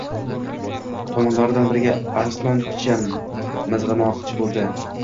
tomlaridan birida Arslon picha mizg‘imoqchi bo‘ldi